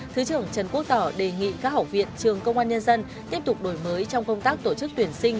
thứ trưởng trần quốc tỏ đề nghị các hậu viện trường công an nhân dân tiếp tục đổi mới trong công tác tổ chức tuyển sinh